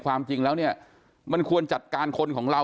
ความจริงแล้วเนี่ยมันควรจัดการคนของเรา